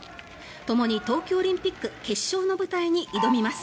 ともに東京オリンピック決勝の舞台に挑みます。